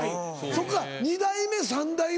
そっから２代目３代目？